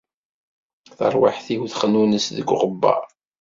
Tarwiḥt-iw texnunes deg uɣebbar.